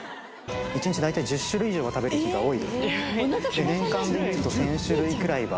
１日大体１０種類以上は食べる日が多いです